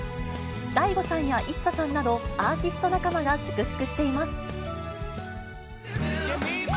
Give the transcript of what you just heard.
ＤＡＩＧＯさんやイッサさんなど、アーティスト仲間が祝福しています。